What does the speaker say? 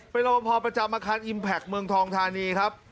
เป็นรอบพอประจำอาคารอิมแพคเมืองทองธานีครับ